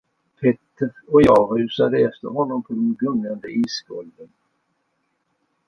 Petter och jag rusade efter honom på de gungande isgolven.